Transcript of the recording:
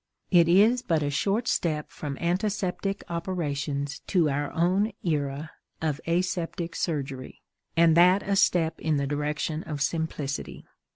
It is but a short step from antiseptic operations to our own era of aseptic surgery, and that a step in the direction of simplicity.